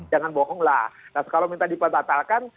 jangan bohonglah nah kalau minta dipatalkan